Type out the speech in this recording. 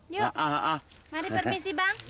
yuk mari permisi bang